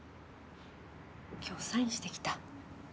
今日サインしてきた。